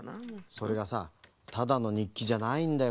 それがさただのにっきじゃないんだよ